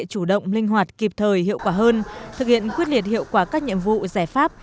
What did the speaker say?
chủ động linh hoạt kịp thời hiệu quả hơn thực hiện quyết liệt hiệu quả các nhiệm vụ giải pháp